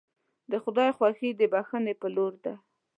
د خدای خوښي د بښنې په لور ده.